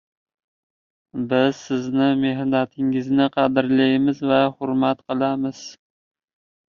Biz sizning mehnatingizni qadrlaymiz va hurmat qilamiz